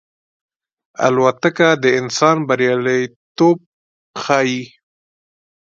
الوتکه د انسان بریالیتوب ښيي.